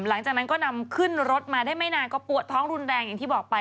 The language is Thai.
หลังจากนั้นก็นำขึ้นรถมาได้ไม่นานก็ปวดท้องรุนแรงอย่างที่บอกไป